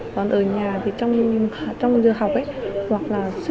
còn ở nhà thì trong giờ học